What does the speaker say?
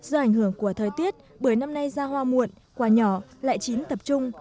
do ảnh hưởng của thời tiết bưởi năm nay ra hoa muộn quả nhỏ lại chín tập trung